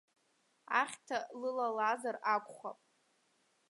Ахьҭа лылалазар акәхап?